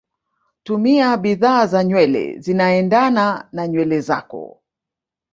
tumia bidhaa za nywele zinaendana na nywele zako